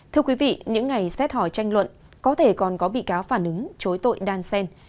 thưa quý vị những ngày xét hỏi tranh luận có thể còn có bị cáo phản ứng chối tội đan sen